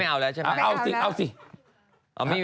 อืม